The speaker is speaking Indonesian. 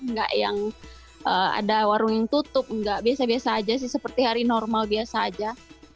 enggak yang ada warung yang tutup enggak biasa biasa saja sih seperti hari normal biasa saja